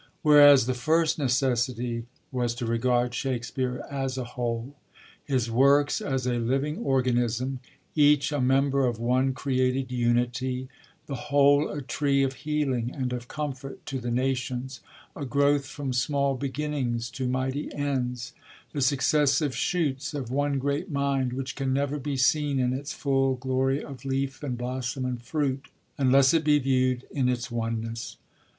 Whereas the first necessity was to regard Shak spere as a whole, his works as a living organism, ea^b a member of one created unity, the whole a tree of healing and of comfort to the nations, a growth from small beginnings to mighty ends, the successive shoots of one great mind, which can never be seen in its full glory of leaf, and blossom, and fruit, unless it be viewd in its oneness.